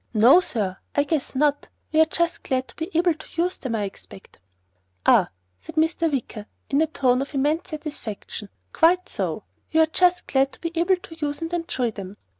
"No, sir, I guess not. We're just glad to be able to use them, I expect." "Ah!" said Mr. Wicker in a tone of immense satisfaction, "Quite so. You are just glad to be able to use and enjoy them.